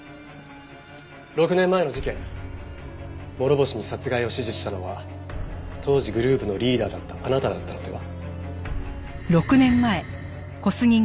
６年前の事件諸星に殺害を指示したのは当時グループのリーダーだったあなただったのでは？